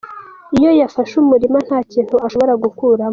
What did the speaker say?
Iyo yafashe umurima nta kintu ushobora gukuramo.